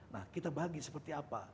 nah kita bagi seperti apa